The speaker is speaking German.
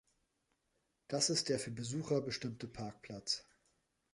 Das ist der für Besucher bestimmte Parkplatz.